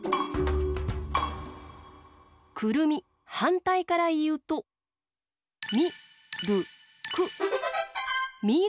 はんたいからいうと「みるく」。